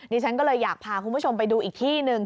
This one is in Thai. ฉันก็เลยอยากพาคุณผู้ชมไปดูอีกที่หนึ่ง